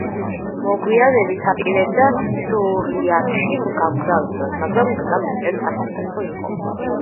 მოგვიანებით აპირებდა დორიათში გამგზავრებას, მაგრამ გზა მეტად სახიფათო იყო.